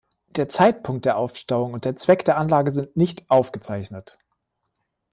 Der Zeitpunkt der Aufstauung und der Zweck der Anlage sind nicht aufgezeichnet.